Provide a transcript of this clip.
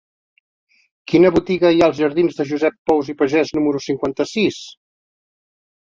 Quina botiga hi ha als jardins de Josep Pous i Pagès número cinquanta-sis?